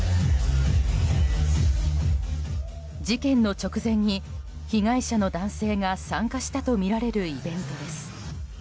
事件の直前に被害者の男性が参加したとみられるイベントです。